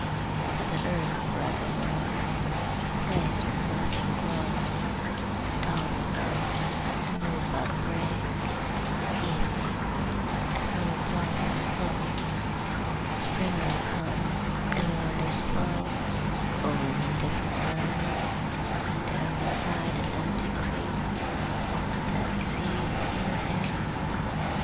But the Earth forevermore Is a place where nothing grows, Dawn will come, and no bud break; Evening, and no blossom close. Spring will come, and wander slow Over an indifferent land, Stand beside an empty creek, Hold a dead seed in her hand."